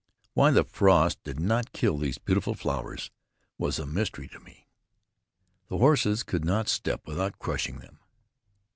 Why the frost did not kill these beautiful flowers was a mystery to me. The horses could not step without crushing them.